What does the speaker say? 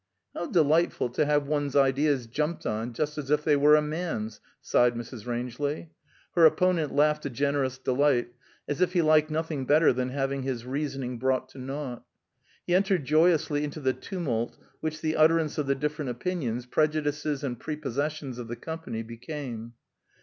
"How delightful to have one's ideas jumped on just as if they were a man's!" sighed Mrs. Rangeley. Her opponent laughed a generous delight, as if he liked nothing better than having his reasoning brought to naught. He entered joyously into the tumult which the utterance of the different opinions, prejudices and prepossessions of the company became.